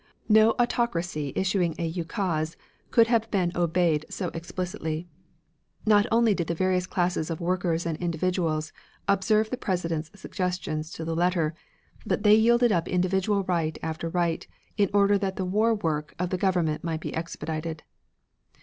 No autocracy issuing a ukase could have been obeyed so explicitly. Not only did the various classes of workers and individuals observe the President's suggestions to the letter, but they yielded up individual right after right in order that the war work of the government might be expedited.